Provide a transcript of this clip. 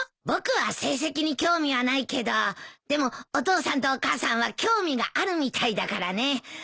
僕は成績に興味はないけどでもお父さんとお母さんは興味があるみたいだからね。